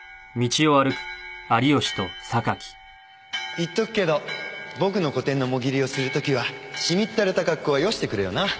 言っとくけど僕の個展のモギリをするときはしみったれた格好はよしてくれよな。